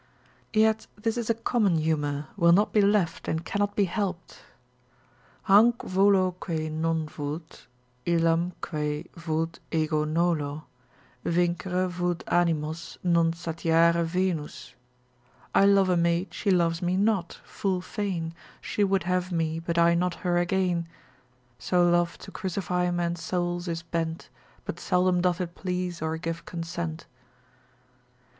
Yet this is a common humour, will not be left, and cannot be helped. Hanc volo quae non vult, illam quae vult ego nolo: Vincere vult animos, non satiare Venus. I love a maid, she loves me not: full fain She would have me, but I not her again; So love to crucify men's souls is bent: But seldom doth it please or give consent.